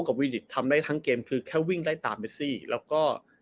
วีลิกทำได้ทั้งเกมคือแค่วิ่งได้ตามเมซี่แล้วก็